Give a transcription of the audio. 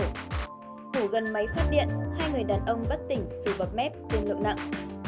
thủ gần máy phát điện hai người đàn ông bắt tỉnh xui bọc mép tương lượng nặng